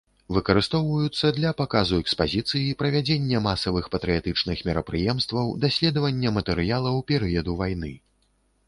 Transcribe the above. Выкарыстоўваюцца для паказу экспазіцыі, правядзення масавых патрыятычных мерапрыемстваў, даследавання матэрыялаў перыяду вайны.